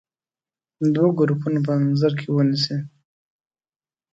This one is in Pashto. دوه ګروپونه په نظر کې ونیسئ.